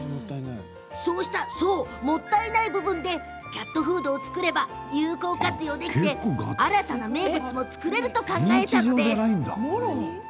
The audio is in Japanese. そうした、もったいない部分でキャットフードを作れば有効活用できて新たな名物も作れると考えたんです。